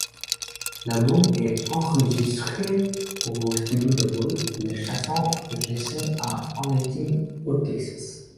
L'album est enregistré au studio de Paul, le Chasin' Jason, à Arlington, au Texas.